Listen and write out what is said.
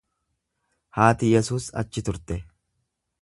Haati Yesuus achi turte.